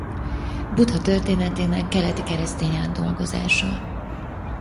Buddha történetének keleti keresztény átdolgozása.